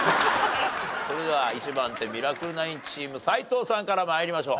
それでは１番手ミラクル９チーム斎藤から参りましょう。